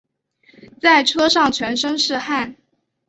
在车上全身是汗